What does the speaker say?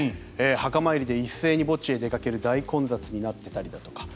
墓参りで一斉に墓地に出かける大混雑になっていたりとか。